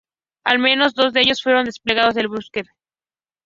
Al menos dos de ellos fueron desplegados en la Bundeswehr.